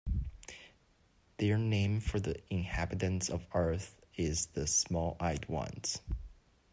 Their name for the inhabitants of Earth is "the small-eyed ones".